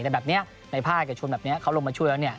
แต่แบบนี้ในภาคเอกชนแบบนี้เขาลงมาช่วยแล้วเนี่ย